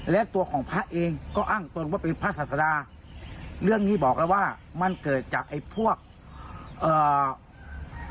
และตัวของพระเองก็อ้างตนว่าเป็นพระศาสดาเรื่องนี้บอกแล้วว่ามันเกิดจากไอ้พวกเอ่อ